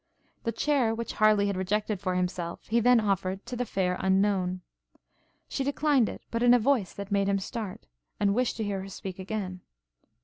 The chair which Harleigh had rejected for himself, he then offered to the fair unknown. She declined it, but in a voice that made him start, and wish to hear her speak again.